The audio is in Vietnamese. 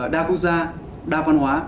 đa quốc gia đa văn hóa